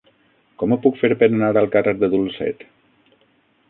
Com ho puc fer per anar al carrer de Dulcet?